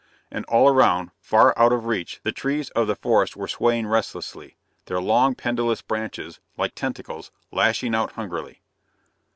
And all around, far out of reach, the trees of the forest were swaying restlessly, their long, pendulous branches, like tentacles, lashing out hungrily.